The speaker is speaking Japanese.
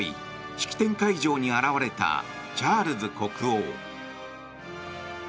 式典会場に現れたチャールズ国王。